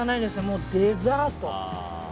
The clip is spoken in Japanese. もうデザート。